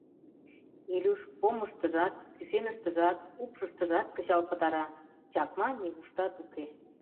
Илюш помыштыжат, кӱсеныштыжат, упшыштыжат кычал пытара — чакма нигуштат уке.